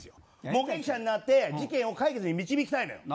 目撃者になって事件を解決に導きたいんですよ。